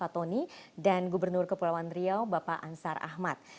pak tony dan gubernur kepulauan riau bapak ansar ahmad